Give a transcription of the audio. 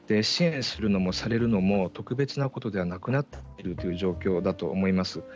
支援するのもされるのも特別なことではなくなっているという状況だと思います。